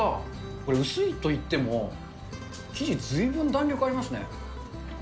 これ、薄いといっても、生地ずいぶん弾力ありますね。